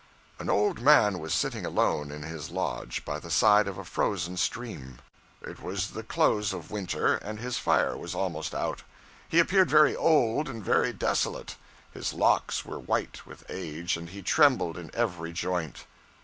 An old man was sitting alone in his lodge, by the side of a frozen stream. It was the close of winter, and his fire was almost out, He appeared very old and very desolate. His locks were white with age, and he trembled in every joint.